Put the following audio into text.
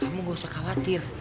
kamu gak usah khawatir